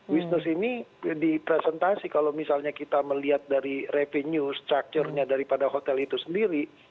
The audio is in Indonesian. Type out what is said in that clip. wisness ini dipresentasi kalau misalnya kita melihat dari revenue structure nya daripada hotel itu sendiri